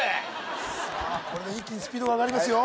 さあこれで一気にスピードが上がりますよ